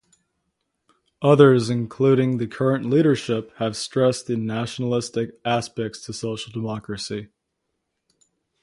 Others, including the current leadership, have stressed the nationalistic aspects to social democracy.